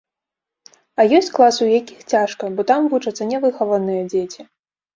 А ёсць класы, у якіх цяжка, бо там вучацца нявыхаваныя дзеці.